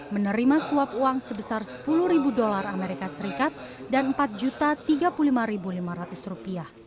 menerima suap uang sebesar sepuluh ribu dolar as dan empat juta tiga puluh lima ribu lima ratus rupiah